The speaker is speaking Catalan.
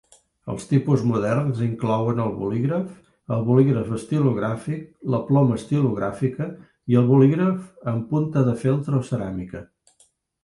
Els tipus moderns inclouen el bolígraf, el bolígraf estilogràfic, la ploma estilogràfica i el bolígraf amb punta de feltre o ceràmica.